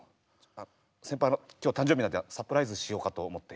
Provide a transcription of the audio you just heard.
あの今日誕生日なんでサプライズしようかと思って。